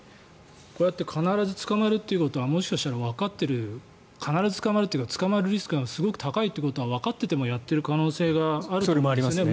こうやって必ず捕まるということはもしかしたらわかってる必ず捕まるというか捕まるリスクがすごく高いということがわかっていてもやってる可能性がありますよね。